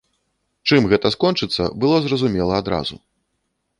Чым гэта скончыцца, было зразумела адразу.